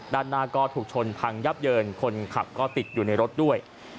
ด้านหน้าก็ถูกชนพังยับเยินคนขับก็ติดอยู่ในรถด้วย